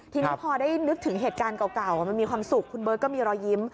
ทีนี้พอได้นึกถึงเหตุการณ์เก่ามันมีความสุขคุณเบิร์ตก็มีรอยยิ้ม